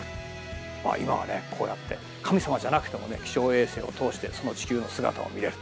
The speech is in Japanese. まあ今はねこうやって神様じゃなくても気象衛星を通してその地球の姿を見れる。